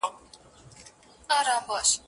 خالقه ژوند مي نصیب مه کړې د پېغور تر کلي